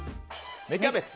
芽キャベツ。